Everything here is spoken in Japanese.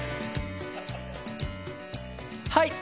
はい！